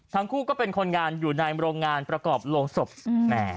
ทั้งคู่ก็เป็นคนงานอยู่ในโรงงานประกอบโรงศพแหม